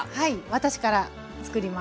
私からつくります。